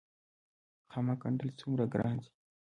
خامک ګنډل څومره ګران دي؟